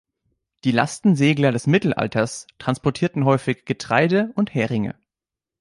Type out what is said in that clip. Die Lastensegler des Mittelalters transportierten häufig Getreide und Heringe.